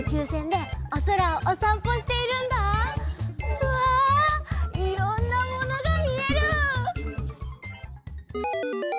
うわいろんなものがみえる！